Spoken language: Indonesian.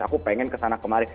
aku pengen kesana kemari